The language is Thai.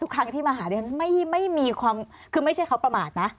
ครั้งที่มาหาดิฉันไม่มีความคือไม่ใช่เขาประมาทนะ